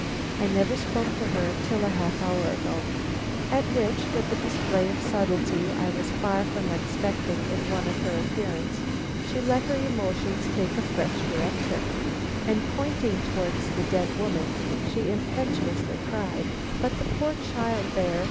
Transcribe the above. I never spoke to her till a half hour ago." At which, with a display of subtlety I was far from expecting in one of her appearance, she let her emotions take a fresh direction, and pointing towards the dead woman, she impetuously cried: "But the poor child there!